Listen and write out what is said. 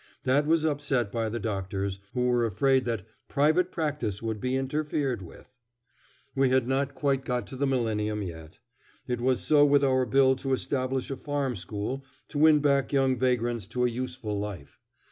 That was upset by the doctors, who were afraid that "private practice would be interfered with." We had not quite got to the millennium yet. It was so with our bill to establish a farm school to win back young vagrants to a useful life.